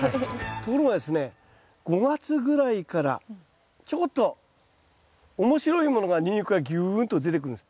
ところがですね５月ぐらいからちょこっと面白いものがニンニクからぎゅんと出てくるんです。